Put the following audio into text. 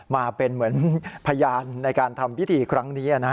มาเป็นเหมือนพยานในการทำพิธีครั้งนี้